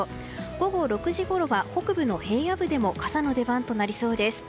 午後６時ごろは北部の平野部でも傘の出番となりそうです。